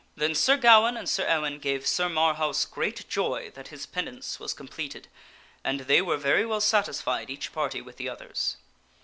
Then Sir Gawaine and Sir Ewaine gave Sir Marhaus great joy that his penance was completed, and they were very well satisfied each party with the others.